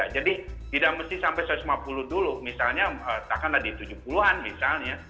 jadi tidak mesti sampai satu ratus lima puluh dulu misalnya takkan tadi tujuh puluh an misalnya